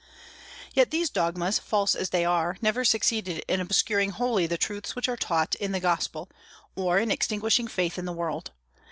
Yet these dogmas, false as they are, never succeeded in obscuring wholly the truths which are taught in the gospel, or in extinguishing faith in the world.